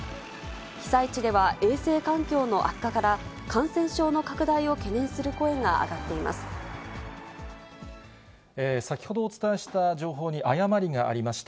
被災地では衛生環境の悪化から、感染症の拡大を懸念する声が上が先ほどお伝えした情報に誤りがありました。